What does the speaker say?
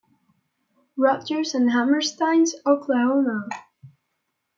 Rodgers and Hammerstein's Oklahoma!